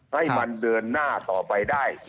ให้มันเดินหน้าต่อไปได้